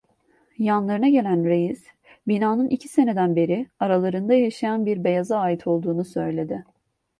Yanlarına gelen reis, binanın iki seneden beri aralarında yaşayan bir beyaza ait olduğunu söyledi.